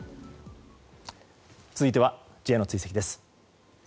続いては、Ｊの追跡です。